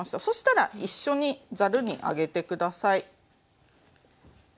そしたら一緒にざるに上げて下さい。